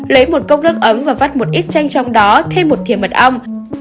lấy một cốc nước ấm và vắt một ít chanh trong đó thêm một thiềm mật ong